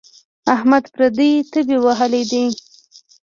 احمد پردۍ تبې وهلی دی.